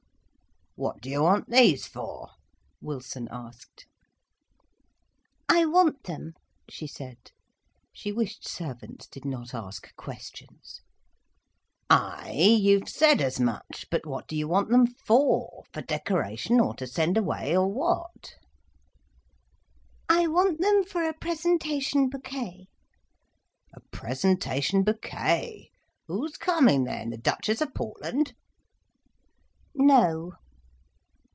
"What do you want these for?" Wilson asked. "I want them," she said. She wished servants did not ask questions. "Ay, you've said as much. But what do you want them for, for decoration, or to send away, or what?" "I want them for a presentation bouquet." "A presentation bouquet! Who's coming then?—the Duchess of Portland?" "No."